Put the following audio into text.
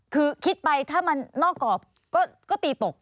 คือคิดไปถ้ามันนอกกรอบก็ตีตก